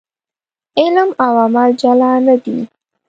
علم او عمل جلا نه دي.